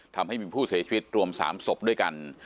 ทำให้มีผู้เสียชีวิตรวม๓ศพด้วยกัน